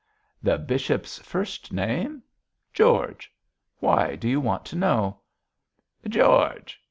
'The bishop's first name? George. Why do you want to know?' 'George!'